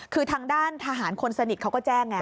คือทางด้านทหารคนสนิทเขาก็แจ้งไง